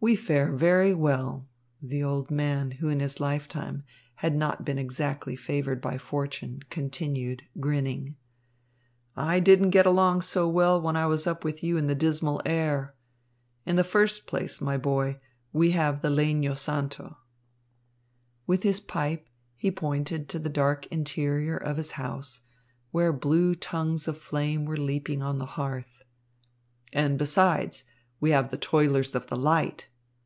"We fare very well," the old man, who in his lifetime had not been exactly favoured by fortune, continued, grinning. "I didn't get along so well when I was up with you in the dismal air. In the first place, my boy, we have the legno santo." With his pipe he pointed to the dark interior of his house, where blue tongues of flame were leaping on the hearth. "And besides, we have the Toilers of the Light.